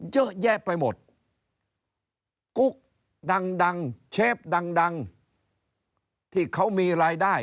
เยอะแยะไปหมดกุ๊กดังดังเชฟดังที่เขามีรายได้